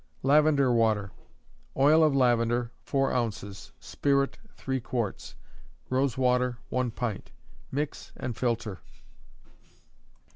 Lavender Water. Oil of lavender, four ounces; spirit, three quarts; rose water, one pint. Mix and filter.